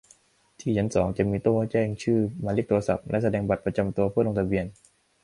ที่ชั้นสอง จะมีโต๊ะให้แจ้งชื่อ หมายเลขโทรศัพท์ และแสดงบัตรประจำตัว เพื่อลงทะเบียน